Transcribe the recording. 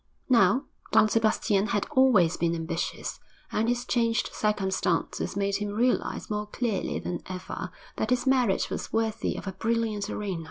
Now, Don Sebastian had always been ambitious, and his changed circumstances made him realise more clearly than ever that his merit was worthy of a brilliant arena.